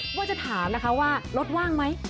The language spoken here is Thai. ว่าจะถามนะคะว่ารถว่างไหม